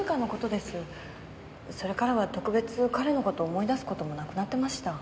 それからは特別彼の事を思い出す事もなくなってました。